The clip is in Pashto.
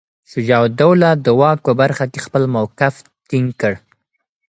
شجاع الدوله د واک په برخه کې خپل موقف ټینګ کړ.